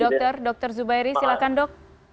pak ferry silakan dok